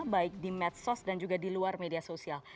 baik di medsos dan juga di luar media sosial